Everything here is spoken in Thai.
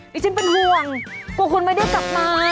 ดิฉันเป็นห่วงกลัวคุณไม่ได้กลับมา